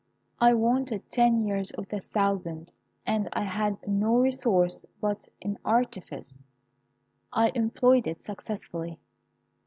I wanted ten years of the thousand, and I had no resource but in artifice. I employed it successfully.